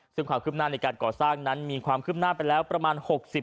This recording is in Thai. ซึ่งความคืบหน้าในการก่อสร้างนั้นมีความคืบหน้าไปแล้วประมาณ๖๐